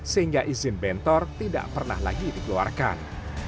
sehingga izin bentor tidak pernah lagi dikeluarkan